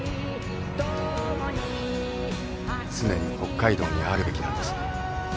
常に北海道にあるべきなんです。